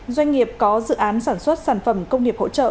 doanh nghiệp có dự án sản xuất sản phẩm công nghiệp hỗ trợ